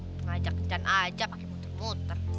wah ngajak ngajak aja pake muter muter